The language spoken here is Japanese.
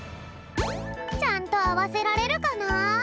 ちゃんとあわせられるかな？